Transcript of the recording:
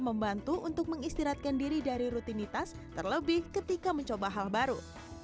membantu untuk mengistirahatkan diri dari rutinitas terlebih ketika mencoba hal baru